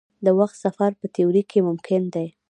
د وخت سفر په تیوري کې ممکن دی.